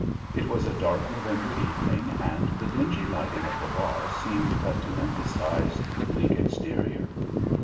It was a dark November evening, and the dingy lighting of the bar seemed but to emphasize the bleak exterior.